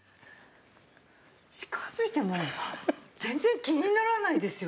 近づいても全然気にならないですよね。